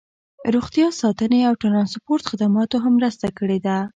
روغتیا ساتنې او ټرانسپورټ خدماتو هم مرسته کړې ده